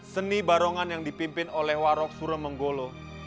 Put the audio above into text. seni barongan yang dipimpin oleh warog suramenggolo